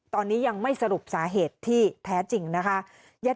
ตอนนี้ยังไม่สรุปสาเหตุที่แท้จริงนะคะ